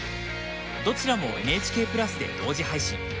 どちらもＮＨＫプラスで同時配信。